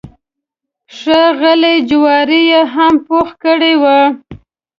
ښه غلي جواري یې هم پوخ کړی و.